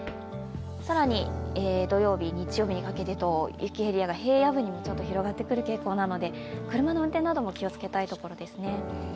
更に、土曜日、日曜日にかけて雪エリアが広がってくる傾向なので車の運転なども気をつけたいところですね。